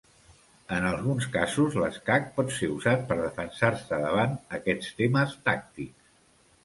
En alguns casos, l'escac pot ser usat per defensar-se davant aquests temes tàctics.